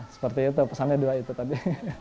seperti itu pesannya dua itu tadi